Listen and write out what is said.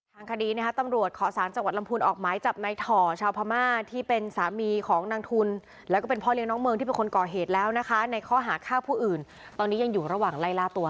ทางคดีนะคะตำรวจขอสารจังหวัดลำพูนออกหมายจับในถ่อชาวพม่าที่เป็นสามีของนางทุนแล้วก็เป็นพ่อเลี้ยน้องเมืองที่เป็นคนก่อเหตุแล้วนะคะในข้อหาฆ่าผู้อื่นตอนนี้ยังอยู่ระหว่างไล่ล่าตัว